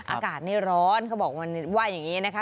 อากาศนี่ร้อนเขาบอกว่าอย่างนี้นะคะ